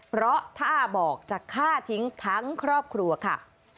เพราะถ้าบอกจะฆ่าทิ้งทั้งครอบครัวค่ะ